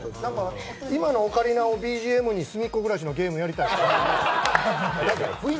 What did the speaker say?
今のオカリナをＢＧＭに「すみっコぐらし」やりたい。